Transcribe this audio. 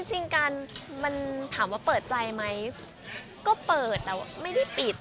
จริงการมันถามว่าเปิดใจไหมก็เปิดแต่ว่าไม่ได้ปิด